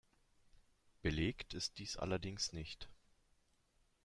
Belegt ist dies allerdings nicht.